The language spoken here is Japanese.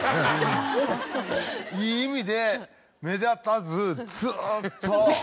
いい意味で目立たずずっと。